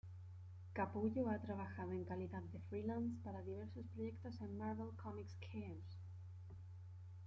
Capullo ha trabajado en calidad de freelance para diversos proyectos en: Marvel Comics Chaos!